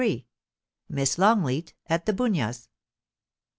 MISS LONGLEAT AT THE BUN V AS.